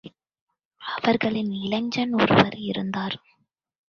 அவர்களில் இளைஞர் ஒருவர் இருந்தார்.